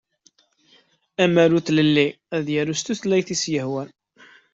Amaru d ilelli ad yaru s tutlayt i s-yehwan.